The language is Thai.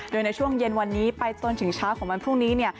โดยในช่วงเย็นวันนี้ไปจนถึงเช้าของวันพรุ่งนี้